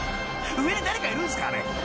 上に誰かいるんすかね⁉］